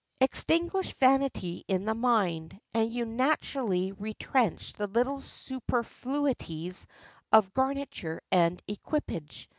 Extinguish vanity in the mind, and you naturally retrench the little superfluities of garniture and equipage.